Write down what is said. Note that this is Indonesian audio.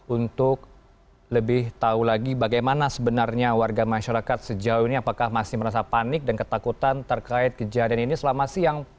untuk lebih tahu lagi bagaimana sebenarnya warga masyarakat sejauh ini apakah masih merasa panik dan ketakutan terkait kejadian ini selama siang